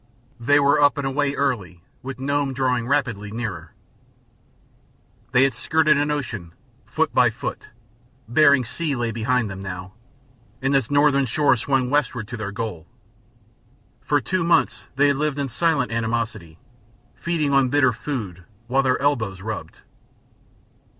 They were up and away early, with Nome drawing rapidly nearer. They had skirted an ocean, foot by foot; Bering Sea lay behind them, now, and its northern shore swung westward to their goal. For two months they had lived in silent animosity, feeding on bitter food while their elbows rubbed.